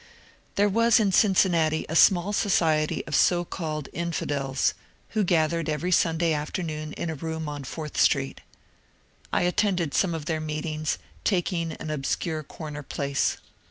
There was in Cincinnati a small society of so called ^^ infi dels " who gathered every Sunday afternoon in a room on Fourth Street. I attended some of their meetings, taking an obscure comer place.